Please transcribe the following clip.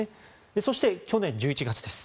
そして、去年１１月です。